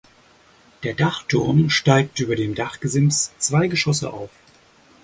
Der Dachturm steigt über dem Dachgesims zwei Geschosse auf.